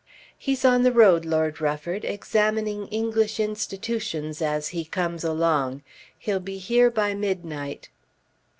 "He's on the road, Lord Rufford, examining English institutions as he comes along. He'll be here by midnight."